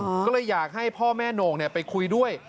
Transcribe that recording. ก็เลยอยากให้พ่อแม่โหน่งเนี่ยไปคุยด้วย